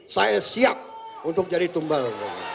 saya siap untuk jadi tumbal